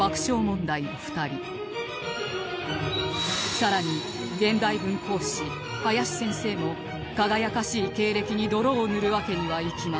更に現代文講師林先生も輝かしい経歴に泥を塗るわけにはいきません